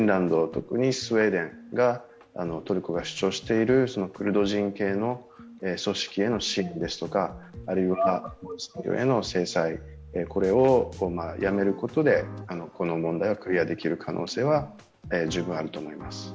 特にスウェーデンがトルコが主張しているクルド人系の組織への支持ですとか、あるいはロシアへの制裁をやめることでこの問題はクリアできる可能性は十分あると思います。